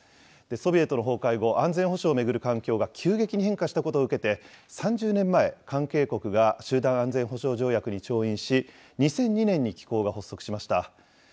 ソビエトの崩壊後、安全保障を巡る環境が急激に変化したことを受けて、３０年前、関係国が集団安全保障条約に調印し、２００２年に機構が発足しました。